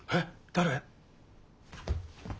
誰？